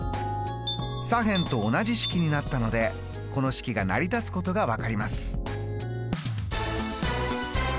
左辺と同じ式になったのでこの式が成り立つことが分かります。